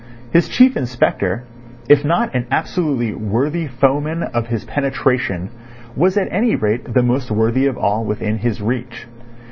His Chief Inspector, if not an absolutely worthy foeman of his penetration, was at any rate the most worthy of all within his reach.